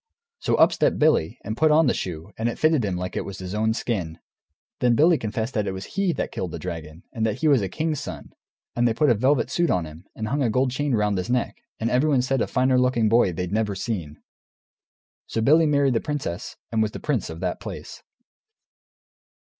So up stepped Billy, and put on the shoe, and it fitted him like his own skin. Then Billy confessed that it was he that killed the dragon. And that he was a king's son. And they put a velvet suit on him, and hung a gold chain round his neck, and everyone said a finer looking boy they'd never seen. So Billy married the princess, and was the prince of that place.